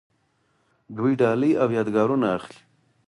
دوی ډالۍ او یادګارونه اخلي.